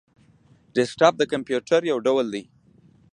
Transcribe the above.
ډیسکټاپ د کمپيوټر یو ډول دی